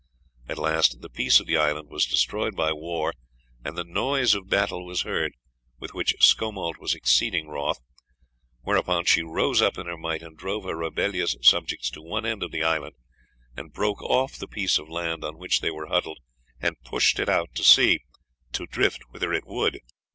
At last the peace of the island was destroyed by war, and the noise of battle was heard, with which Scomalt was exceeding wroth, whereupon she rose up in her might and drove her rebellious subjects to one end of the island, and broke off the piece of land on which they were huddled and pushed it out to sea, to drift whither it would.